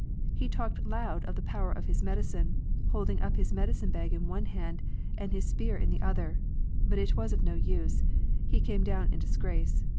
He talked loud of the power of his medicine, holding up his medicine bag in one hand and his spear in the other; but it was of no use, and he came down in disgrace.